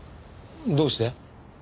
どうして？